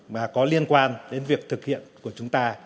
mà có liên quan đến việc thực hiện của chúng ta